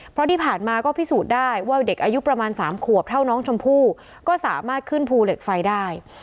เพราะที่ผ่านมาก็พิสูจน์ได้ว่าเด็กอายุประมาณ๓ขวบเท่าน้องชมพู่ก็สามารถขึ้นภูเหล็กไฟได้